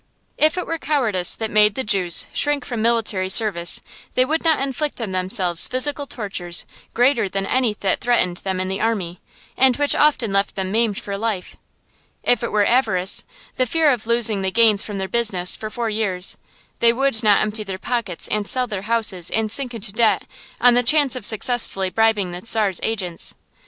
If it were cowardice that made the Jews shrink from military service they would not inflict on themselves physical tortures greater than any that threatened them in the army, and which often left them maimed for life. If it were avarice the fear of losing the gains from their business for four years they would not empty their pockets and sell their houses and sink into debt, on the chance of successfully bribing the Czar's agents.